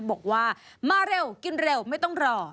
บอกว่ามาเร็วกินเร็วไม่ต้องรอ